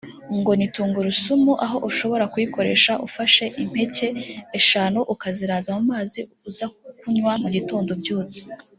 ngo ni tungurusumu aho ushobora kuyikoresha ufashe impeke eshanu ukaziraza mu mazi uza kunywa mugitondo ubyutse